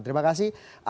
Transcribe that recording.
terima kasih andri rosiade